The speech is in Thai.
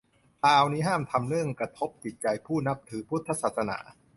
คราวนี้ห้ามทำเรื่องกระทบจิตใจผู้นับถือพุทธศาสนา